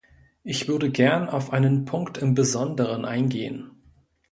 Ich würde gern auf einen Punkt im Besonderen eingehen.